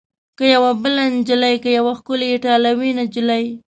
که یوه بله نجلۍ؟ که یوه ښکلې ایټالوۍ نجلۍ؟